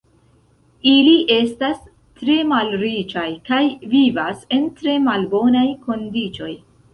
Ili estas tre malriĉaj kaj vivas en tre malbonaj kondiĉoj.